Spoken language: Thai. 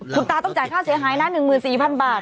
คุณตาต้องจ่ายค่าเสียหายนะ๑๔๐๐๐บาท